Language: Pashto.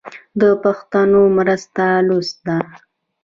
د پښتو مرسته لوست ده.